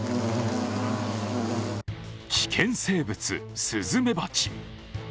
危険生物、スズメバチ。